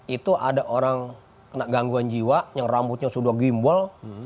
itu ada orang kena gangguan jiwa yang rambutnya sudah gimbol